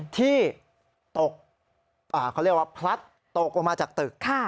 ที่เขาเรียกว่าพลัดตกลงมาจากตึก